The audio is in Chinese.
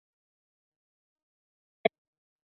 侨居玉田县。